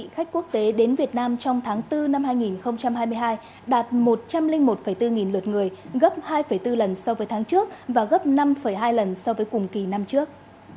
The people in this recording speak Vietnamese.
khách quốc tế đến việt nam trong tháng bốn năm hai nghìn hai mươi hai đạt một trăm linh một bốn nghìn lượt người gấp hai bốn lần so với tháng trước và gấp năm hai lần so với cùng kỳ năm trước